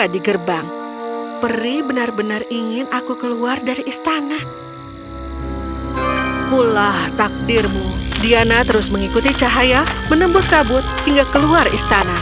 diana terus mengikuti cahaya menembus kabut hingga keluar istana